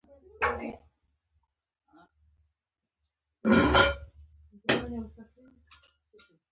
موږ باید د فرد د لاسرسي ملاتړ وکړو.